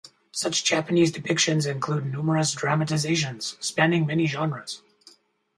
Such Japanese depictions include numerous dramatizations, spanning many genres.